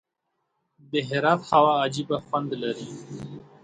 د هرات هوا عجیب خوند لري.